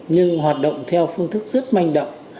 nhưng hoạt động theo phương thức rất manh động